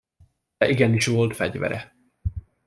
De igenis volt fegyvere!